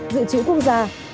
dự trữ quốc gia